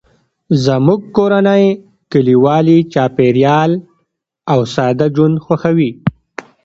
زموږ کورنۍ کلیوالي چاپیریال او ساده ژوند خوښوي